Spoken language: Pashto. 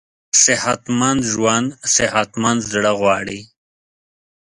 صحتمند ژوند صحتمند زړه غواړي.